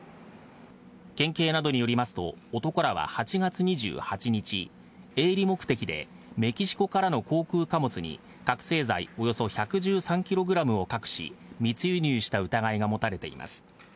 県警などによりますと、男らは８月２８日、営利目的でメキシコからの航空貨物に覚醒剤およそ１１３キログラムを隠し、密輸入した疑いが持たれています。